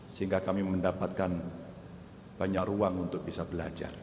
sehingga kami mendapatkan banyak ruang untuk bisa belajar